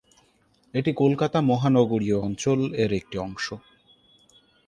এটি কলকাতা মহানগরীয় অঞ্চল এর একটি অংশ।